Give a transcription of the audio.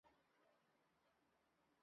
浅裂翠雀花为毛茛科翠雀属的植物。